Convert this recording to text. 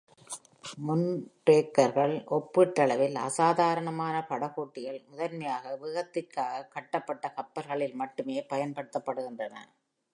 மூன்ரேக்கர்கள் ஒப்பீட்டளவில் அசாதாரணமான படகோட்டிகள், முதன்மையாக வேகத்திற்காக கட்டப்பட்ட கப்பல்களில் மட்டுமே பயன்படுத்தப்படுகின்றன.